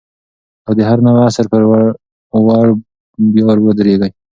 او د هر نوي عصر پر ور بیا ودرېږي